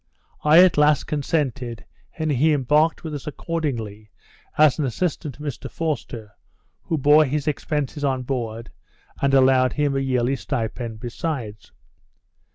I at last consented, and he embarked with us accordingly, as an assistant to Mr Forster, who bore his expences on board, and allowed him a yearly stipend besides.